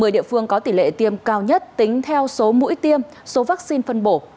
một mươi địa phương có tỷ lệ tiêm cao nhất tính theo số mũi tiêm số vaccine phân bổ